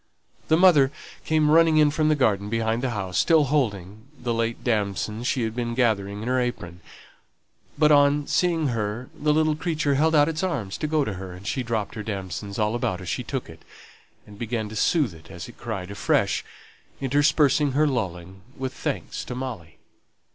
The mother came running in from the garden behind the house, still holding the late damsons she had been gathering in her apron; but, on seeing her, the little creature held out its arms to go to her, and she dropped her damsons all about as she took it, and began to soothe it as it cried afresh, interspersing her lulling with thanks to Molly.